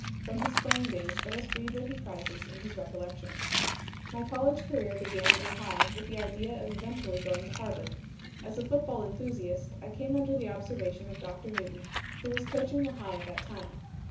From his playing days let us read what he prizes in his recollections: "My college career began at Lehigh, with the idea of eventually going to Harvard. As a football enthusiast, I came under the observation of Doctor Newton, who was coaching Lehigh at that time.